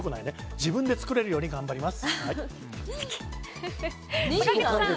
自分で作れるように頑張ります。